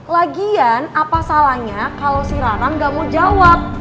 lagian apa salahnya kalau si rara nggak mau jawab